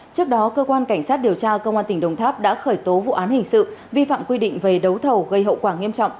trước đó cơ quan cảnh sát điều tra công an tỉnh đồng tháp đã khởi tố vụ án hình sự vi phạm quy định về đấu thầu gây hậu quả nghiêm trọng